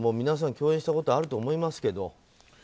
皆さん共演したことあると思いますけど。